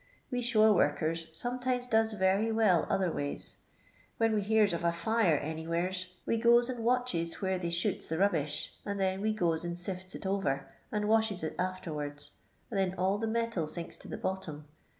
We shore workers sometimes does very well other ways. When we hears of a fire anywheres, we goes and watches where they shoots the rubbish, and then we goes and sifts it over, and washes it afterwards, their all the metal sinks to the bottom.